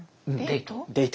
デート。